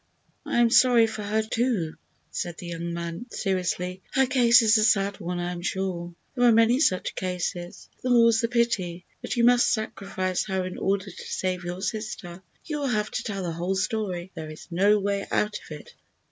"I am sorry for her, too," said the young man, seriously. "Her case is a sad one, I am sure. There are many such cases, the more's the pity. But you must sacrifice her in order to save your sister. You will have to tell the whole story; there is no way out of it."